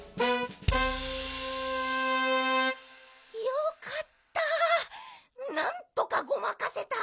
よかったなんとかごまかせた。